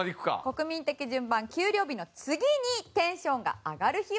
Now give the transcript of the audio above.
国民的順番給料日の次にテンションが上がる日は。